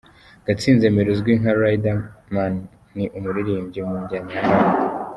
Gatsinzi Emery uzwi nka Riderman, ni umuririmbyi mu njyana ya Rap.